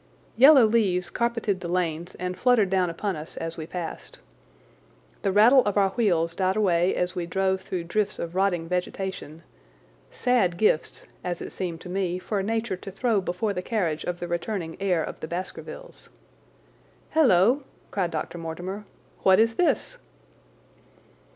Yellow leaves carpeted the lanes and fluttered down upon us as we passed. The rattle of our wheels died away as we drove through drifts of rotting vegetation—sad gifts, as it seemed to me, for Nature to throw before the carriage of the returning heir of the Baskervilles. "Halloa!" cried Dr. Mortimer, "what is this?"